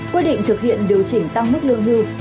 quy định thực hiện điều chỉnh tăng mức lương hưu